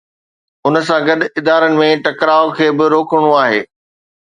ان سان گڏ ادارن ۾ ٽڪراءُ کي به روڪڻو آهي.